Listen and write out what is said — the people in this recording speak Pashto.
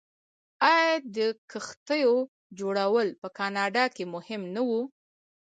آیا د کښتیو جوړول په کاناډا کې مهم نه و؟